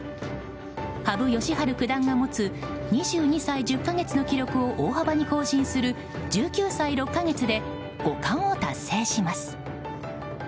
羽生善治九段が持つ２２歳１０か月の記録を大幅に更新する１９歳６か月で五冠を達成します。